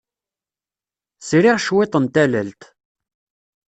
Sriɣ cwiṭ n tallalt.